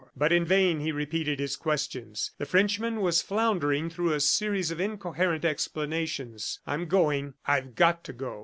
But in vain he repeated his questions. The Frenchman was floundering through a series of incoherent explanations "I'm going; I've got to go."